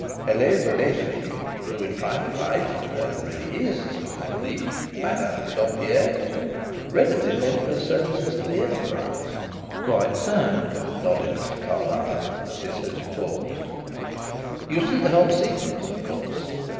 Helene Brunesi, who in private life is and really is, I believe Madame Dompierre, readily lent her services to the enterprise." "Quite so," nodded Mr. Carlyle, as his host paused. "You see the whole sequence, of course?"